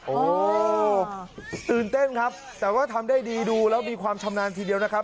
โอ้โหตื่นเต้นครับแต่ว่าทำได้ดีดูแล้วมีความชำนาญทีเดียวนะครับ